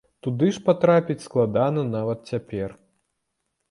Туды ж патрапіць складана нават цяпер.